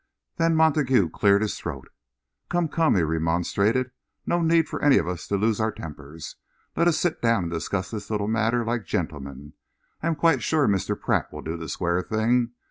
Then Montague cleared his throat. "Come, come," he remonstrated, "no need for any of us to lose our tempers. Let us sit down and discuss this little matter like gentlemen. I am quite sure Mr. Pratt will do the square thing.